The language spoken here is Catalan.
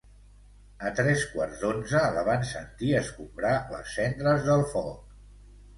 A tres quarts d'onze la van sentir escombrar les cendres del foc.